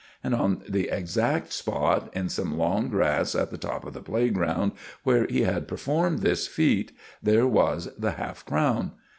And on the exact spot, in some long grass at the top of the playground where he had performed this feat, there was the half crown.